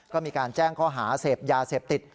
ก็มีการแจ้งข้อหาเสพยาเสพติด